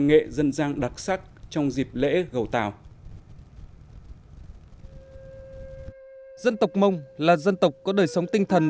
nghệ dân gian đặc sắc trong dịp lễ gầu tàu dân tộc mông là dân tộc có đời sống tinh thần